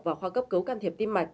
và khoa cấp cấu can thiệp tim mạch